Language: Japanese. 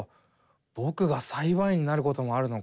ぼくが裁判員になることもあるのか。